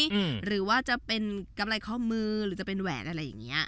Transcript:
หรือว่าจะเป็นกำไรข้อมือหรือจะเป็นแหวนอะไรอย่างเงี้ย